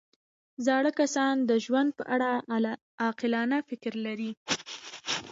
زاړه کسان د ژوند په اړه عاقلانه فکر لري